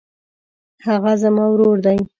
هغه زما ورور دی.